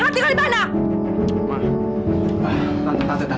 kamu jangan ikut